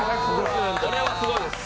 これはすごいです